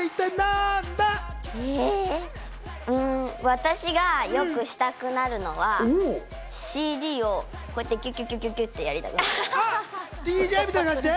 私がよくしたくなるのは、ＣＤをこうやって、キュキュキュってやりたくなる。